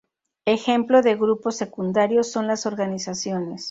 Ejemplo de grupos secundarios son las organizaciones.